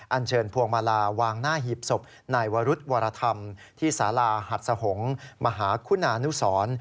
อันเชิญพวงมาลาวางหน้าหีบศพนายวรุธวรธรรมที่สาราหัดสหงษ์มหาคุณานุสร